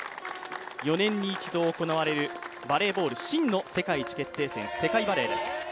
４年に一度行われるバレーボール真の世界一決定戦、世界バレーです